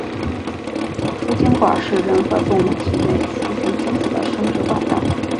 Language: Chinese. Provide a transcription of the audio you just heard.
输精管是人和动物体内输送精子的生殖管道。